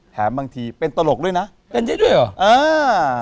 แถมบางทีเป็นตลกด้วยนะเป็นเยอะด้วยเหรอ